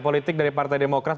politik dari partai demokrat